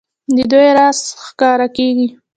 د دوی راز ښکاره کېږي.